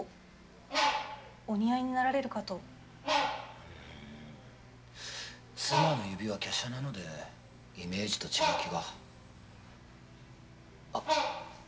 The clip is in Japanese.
お似合いになられるかとうん妻の指は華奢なのでイメージと違う気があっ